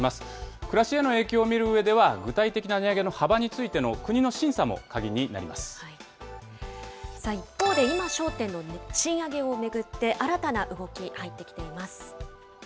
暮らしへの影響を見るうえでは、具体的な値上げの幅についての国一方で、今焦点の賃上げを巡って新たな動き、入ってきています。